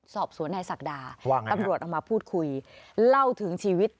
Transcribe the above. สอบสวนนายศักดาตำรวจเอามาพูดคุยเล่าถึงชีวิต